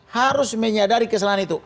harus menyadari kesalahan itu